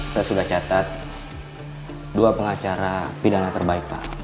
saya sudah catat dua pengacara pidana terbaik pak